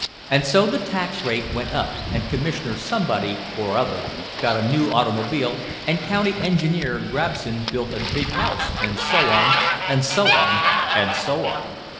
And so the tax rate went up and Commissioner Somebody or other got a new automobile and County Engineer Grabson built a big house and so on, and so on, and so on.